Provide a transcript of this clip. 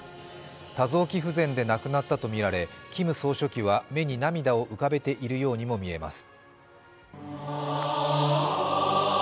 多臓器不全で亡くなったとみられキム総書記は目に涙を浮かべているようにも見えます。